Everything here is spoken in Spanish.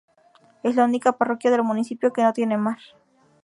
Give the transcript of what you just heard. Es la única parroquia del municipio que no tiene mar.